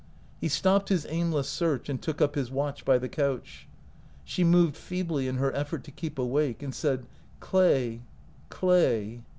He stopped his aimless search, and took up his watch by the couch. She i59 OUT OF BOHEMIA moved feebly in her effort to keep awake, and said, " Clay, Clay